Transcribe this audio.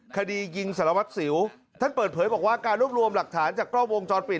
คดียิงสารวัตรสิวท่านเปิดเผยบอกว่าการรวบรวมหลักฐานจากกล้องวงจรปิด